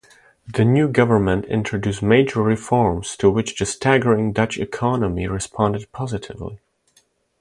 The new government introduced major reforms to which the staggering Dutch economy responded positively.